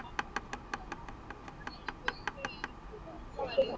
Ugonjwa huathiri mifugo ya aina zote